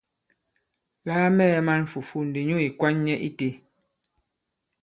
La a mɛɛ̄ man fùfu ndi nyu ì kwan nyɛ itē.